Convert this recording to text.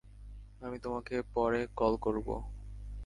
আমি তোমাকে পরে কল করবো।